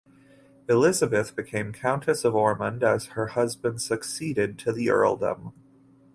Elizabeth became Countess of Ormond as her husband succeeded to the earldom.